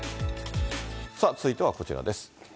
続いてはこちらです。